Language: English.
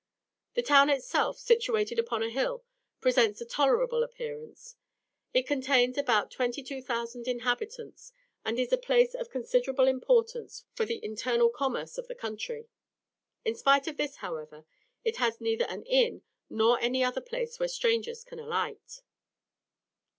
The town itself, situated upon a hill, presents a tolerable appearance; it contains about 22,000 inhabitants, and is a place of considerable importance for the internal commerce of the country. In spite of this, however, it has neither an inn nor any other place where strangers can alight.